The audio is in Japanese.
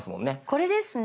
これですね。